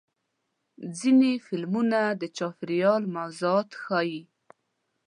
ځینې فلمونه د چاپېریال موضوعات ښیي.